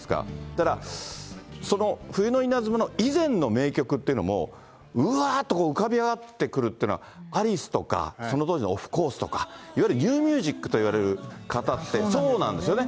だから、その冬の稲妻の以前の名曲っていうのも、うわーっと浮かび上がってくるっていうのは、アリスとか、その当時のオフコースとか、いわゆるニューミュージックといわれる方ってそうなんですよね。